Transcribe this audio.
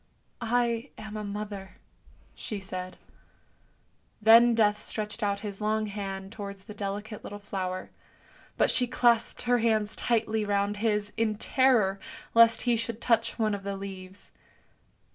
" I am a mother," she said. Then Death stretched out his long hand towards the delicate little flower, but she elapsed her hands tightly round his, in terror lest he should touch one of the leaves.